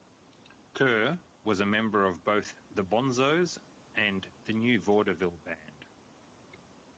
Kerr was a member of both the Bonzos and the New Vaudeville Band.